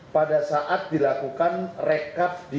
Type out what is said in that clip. pada saat dilakukan rekomendasi